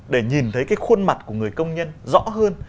để nhìn thấy cái khuôn mặt của người công nhân rõ hơn